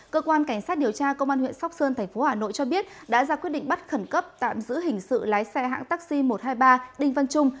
cơ quan cảnh sát điều tra công an huyện sóc sơn tp hà nội cho biết đã ra quyết định bắt khẩn cấp tạm giữ hình sự lái xe hãng taxi một trăm hai mươi ba đinh văn trung